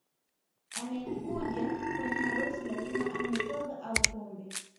Anayekuja kwenye harusi lazima anywe Togwa au Pombe